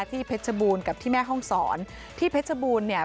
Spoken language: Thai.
เพชรบูรณ์กับที่แม่ห้องศรที่เพชรบูรณ์เนี่ย